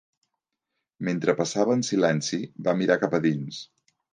Mentre passava en silenci, va mirar cap a dins.